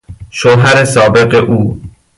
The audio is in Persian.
شوهر سابق او